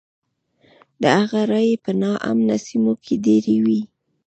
د هغه رایې په نا امنه سیمو کې ډېرې وې.